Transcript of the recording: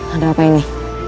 ada apa ini